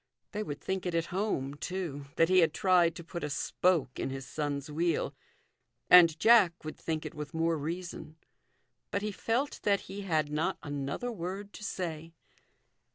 They would think it at home, too, that he had tried to put a THE GOLDEN RULE. 305 spoke in his son's wheel ; and Jack would think it with more reason. But he felt that he had not another word to say.